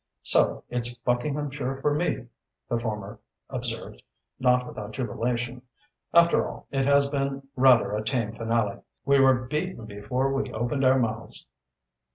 "So it's Buckinghamshire for me," the former observed, not without jubilation. "After all, it has been rather a tame finale. We were beaten before we opened our mouths."